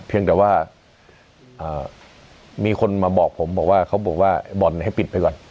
เพียงแต่ว่ามีคนมาบอกผมบอกว่าเขาบอกว่าบ่อนให้ปิดไปก่อน